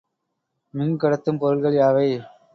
மின்கடத்தும் பொருள்கள் யாவை?